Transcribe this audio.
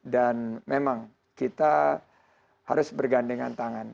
dan memang kita harus bergandengan tangan